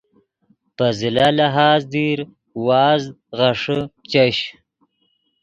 پے زلہ لہاز دیر وازد غیݰے چش